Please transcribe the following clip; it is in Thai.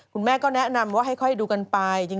คุณแม่ก็แนะนำว่าค่อยดูกันไป